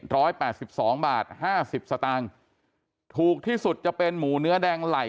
แปดสิบสองบาทห้าสิบสตางค์ถูกที่สุดจะเป็นหมูเนื้อแดงไหล่